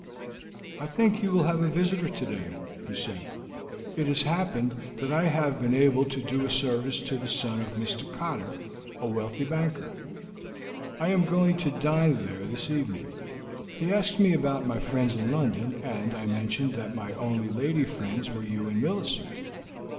"I think you will have a visitor today," he said. "It has happened that I have been able to do a service to the son of Mr. Cotter, a wealthy banker. I am going to dine there this evening. He asked me about my friends in London, and I mentioned that my only lady friends were you and Millicent.